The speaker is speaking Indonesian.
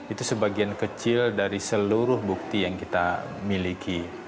itu sebagian kecil dari seluruh bukti yang kita miliki